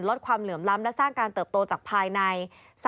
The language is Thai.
ลดความเหลื่อมล้ำและสร้างการเติบโตจากภายใน